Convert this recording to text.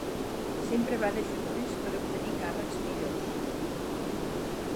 Sempre va de genolls per obtenir càrrecs millors.